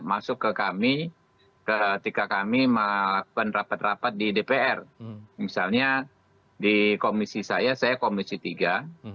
masuk ke kami ketika kami melakukan rapat rapat di dpr misalnya di komisi saya saya komisi tiga